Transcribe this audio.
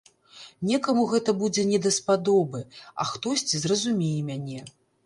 Некаму гэта будзе не даспадобы, а хтосьці зразумее мяне.